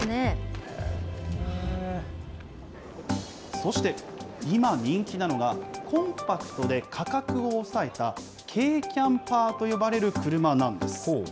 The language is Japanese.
そして、今人気なのが、コンパクトで価格を抑えた、軽キャンパーと呼ばれる車なんです。